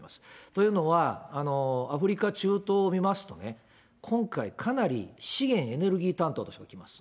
というのは、アフリカ、中東を見ますとね、今回、かなり資源エネルギー担当の人が来ます。